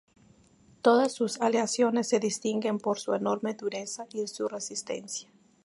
Todas sus aleaciones se distinguen por su enorme dureza y su resistencia.